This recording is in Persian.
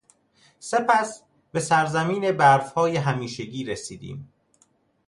سپس به سرزمین برفهای همیشگی رسیدیم.